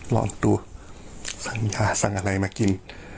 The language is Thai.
ลองดูสั่งยาสั่งอะไรมากิน